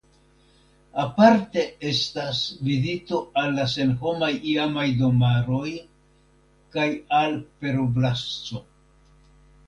Aparte estas vizito al la senhomaj iamaj domaroj kaj al Peroblasco.